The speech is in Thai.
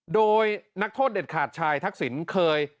โดยนักโทษเด็ดขาดชายทักษิณเคย